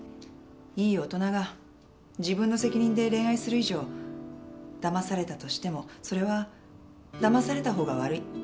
いい大人が自分の責任で恋愛する以上だまされたとしてもそれはだまされたほうが悪い。